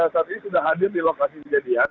saat ini sudah hadir di lokasi kejadian